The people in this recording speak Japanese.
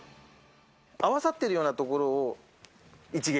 合わさってるような所を一撃。